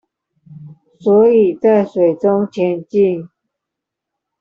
所以在水中前進